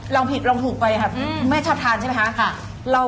ลองถูกลงไปครับแม่ชอบทานใช่ไหมคะ